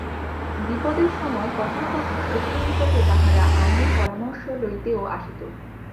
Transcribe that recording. বিপদের সময় কখনো কখনো শশীর নিকটে তাহারা আইনের পরামর্শ লইতেও আসিত।